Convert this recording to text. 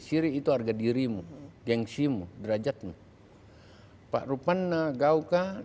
siri itu harga dirimu gengsimu derajatmu